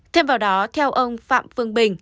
thêm vào đó theo ông phạm phương bình